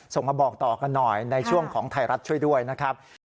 ส่งมาบอกต่อกันหน่อยในช่วงของไทยรัฐช่วยด้วยนะครับ